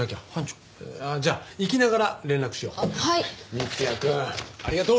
三ツ矢くんありがとう！